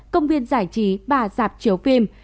công viên giải trí và giạp chiếu phim